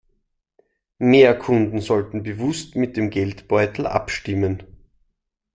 Mehr Kunden sollten bewusst mit dem Geldbeutel abstimmen.